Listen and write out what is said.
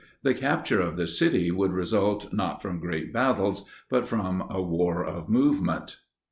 The capture of the city would result not from great battles but from a war of movement.